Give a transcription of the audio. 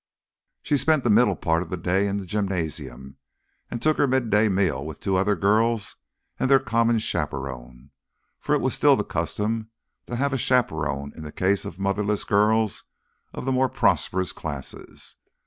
She spent the middle part of the day in the gymnasium, and took her midday meal with two other girls and their common chaperone for it was still the custom to have a chaperone in the case of motherless girls of the more prosperous classes.